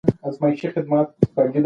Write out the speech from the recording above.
زه به ستا د بریا لپاره دعاګانې کوم.